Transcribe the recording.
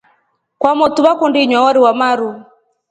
Kwamotu vakundi inywa wari wamaru.